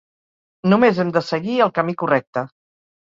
Només hem de seguir el camí correcte.